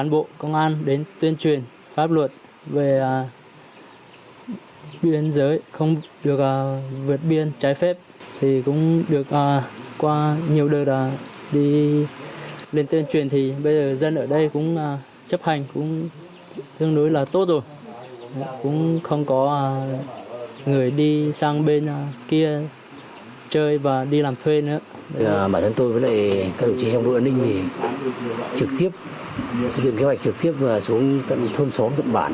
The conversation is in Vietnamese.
bản thân tôi với các đội trưởng đội an ninh trực tiếp xây dựng kế hoạch trực tiếp xuống thôn xóm tận bản